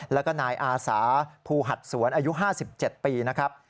แล้วก็นายอาสาภูหัดสวนอายุ๕๗ปีนะครับ